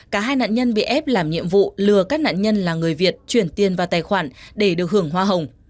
cả hai nạn nhân bị ép làm nhiệm vụ lừa các nạn nhân là người việt chuyển tiền vào tài khoản để được hưởng hoa hồng